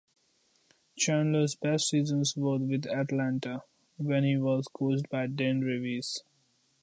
Chandler's best seasons were with Atlanta, when he was coached by Dan Reeves.